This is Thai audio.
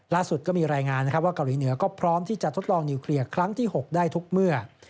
ก็มีรายงานนะครับว่าเกาหลีเหนือก็พร้อมที่จะทดลองนิวเคลียร์ครั้งที่๖ได้ทุกเมื่อ